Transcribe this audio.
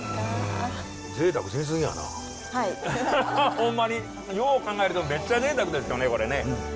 ホンマによう考えるとメッチャぜいたくですよねこれね。